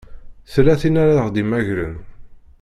Tella tin ara ɣ-d-imagren?